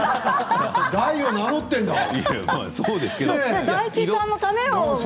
大を名乗っているんだから。